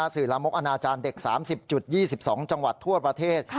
สื่อละมกอนาจารย์เด็ก๓๐๒๒จังหวัดทั่วประเทศ